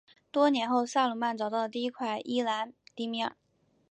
多年后萨鲁曼找到了第一块伊兰迪米尔。